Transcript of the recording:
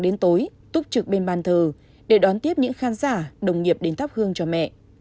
đến tối túc trực bên bàn thờ để đón tiếp những khán giả đồng nghiệp đến thắp hương cho mẹ